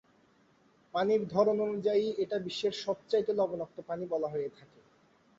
পানির ধরন অনুযায়ী এটা বিশ্বের সবচাইতে লবণাক্ত পানি বলা হয়ে থাকে।